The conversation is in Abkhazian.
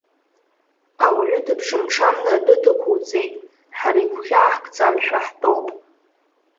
Ауаҩы дыбжамҽамны адәы дықәуҵеит, ҳара игәхьаа ҳкӡамшәа ҳтәоуп.